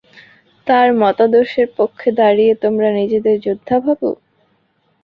তার মতাদর্শের পক্ষে দাঁড়িয়ে তোমরা নিজেদের যোদ্ধা ভাবো?